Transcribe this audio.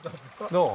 どう？